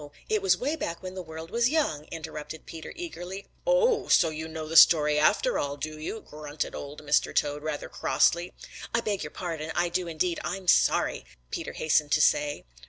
It was way back when the world was young," interrupted Peter eagerly. "Oh! So you know the story after all, do you?" grunted Old Mr. Toad rather crossly. "I beg your pardon. I do indeed. I'm sorry," Peter hastened to say.